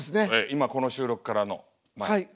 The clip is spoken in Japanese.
今この収録からの前。